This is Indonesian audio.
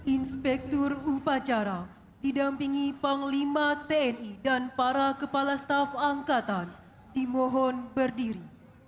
inspektur upacara didampingi panglima tni dan para kepala staf angkatan dimohon berdiri